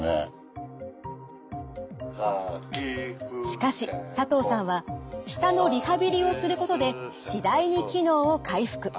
しかし佐藤さんは舌のリハビリをすることで次第に機能を回復。